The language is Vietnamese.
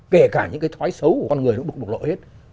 kể cả những cái thói xấu của con người nó bực bực lộ hết